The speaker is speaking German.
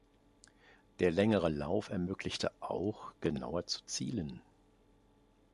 Der längere Lauf ermöglichte auch, genauer zu zielen.